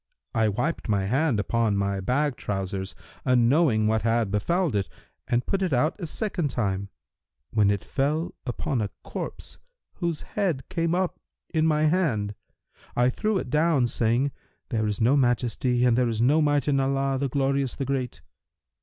I wiped my hand upon my bag trousers, unknowing what had befouled it, and put it out a second time, when it fell upon a corpse whose head came up in my hand. I threw it down, saying, 'There is no Majesty and there is no Might in Allah, the Glorious, the Great!'